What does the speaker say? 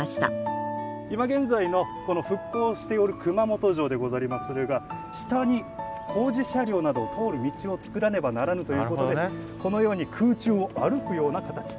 今現在のこの復興をしておる熊本城でござりまするが下に工事車両など通る道を作らねばならぬということでこのように空中を歩くような形となっております。